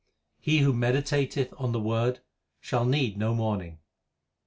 1 He who meditateth on the Word shall need no mourning.